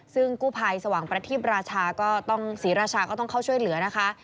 ซึ่งกู้ภัยสว่างประทีปราชาก็ต้องศรีราชาก็ต้องเข้าช่วยเหลือนะคะ